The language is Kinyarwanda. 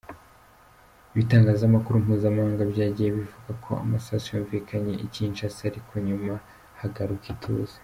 Ibitangazamakuru mpuzamahanga byagiye bivuga ko amasasu yumvikanye I Kinshasa ariko nyuma hagaruka ituze.